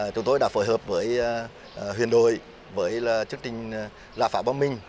chúng tôi đã phối hợp với huyền đồi với chương trình là phá bom mình